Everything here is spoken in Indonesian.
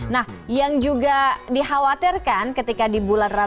nah yang juga dikhawatirkan ketika di bulan ramadan